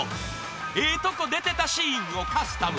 ［ええとこ出てたシーンをカスタム］